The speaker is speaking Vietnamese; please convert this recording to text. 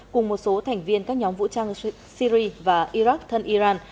cùng một số thành viên các nhóm vũ trang syri và iraq thân iran